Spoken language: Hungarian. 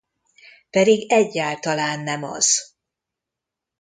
Pedig egyáltalán nem az!